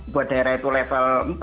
buat daerah itu level empat